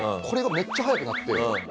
これがめっちゃ速くなって。